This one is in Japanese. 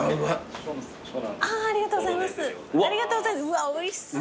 うわおいしそう！